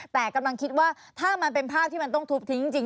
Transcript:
แต่กำลังคิดว่าถ้ามันเป็นภาพที่มันต้องทุบทิ้งจริง